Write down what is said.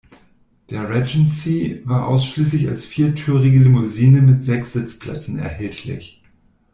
Der Regency war ausschließlich als viertürige Limousine mit sechs Sitzplätzen erhältlich.